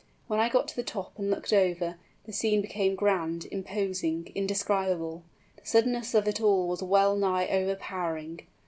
When I got to the top and looked over, the scene became grand, imposing, indescribable. The suddenness of it all was well nigh overpowering.